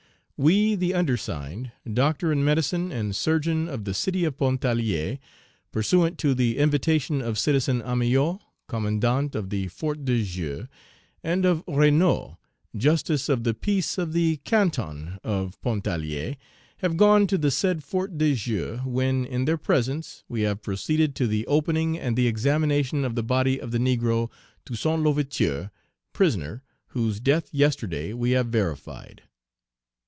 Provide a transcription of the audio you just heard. We, the undersigned, Doctor in Medicine and Surgeon of the city of Pontarlier, pursuant to the invitation of Citizen Amiot, Commandant of the Fort de Joux, and of Renaud, Justice of the Peace of the canton of Pontarlier, have gone to the said Fort de Joux, when, in their presence, we have proceeded to the opening and the examination of the body of the negro Toussaint L'Ouverture, prisoner, whose death yesterday we have verified.